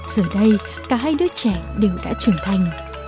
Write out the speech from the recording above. giờ đây cả hai đứa trẻ đều đã trưởng thành